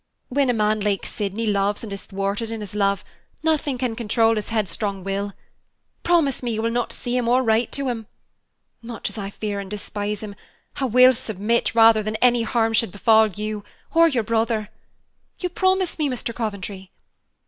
When a man like Sydney loves and is thwarted in his love, nothing can control his headstrong will. Promise me you will not see or write to him. Much as I fear and despise him, I will submit, rather than any harm should befall you or your brother. You promise me, Mr. Coventry?"